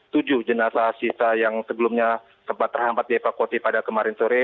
tujuh jenazah sisa yang sebelumnya sempat terhampat di evakuasi pada kemarin sore